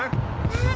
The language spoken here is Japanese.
えっ？